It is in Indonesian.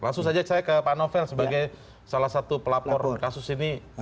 langsung saja saya ke pak novel sebagai salah satu pelapor kasus ini